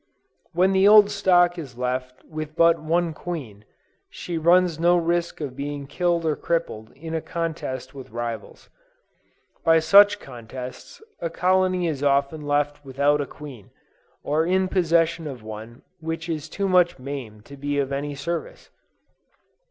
When the old stock is left with but one queen, she runs no risk of being killed or crippled in a contest with rivals. By such contests, a colony is often left without a queen, or in possession of one which is too much maimed to be of any service.